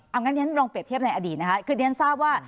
เอางั้นลองเปรียบเทียบในอดีตนะคะคือเรียนทราบว่า